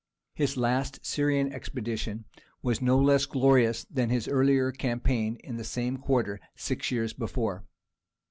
His last Syrian expedition was no less glorious than his earlier campaign in the same quarter six years before.